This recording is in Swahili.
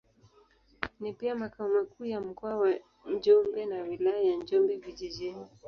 Ni pia makao makuu ya Mkoa wa Njombe na Wilaya ya Njombe Vijijini.